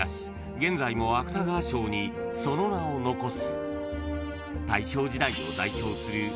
現在も芥川賞にその名を残す］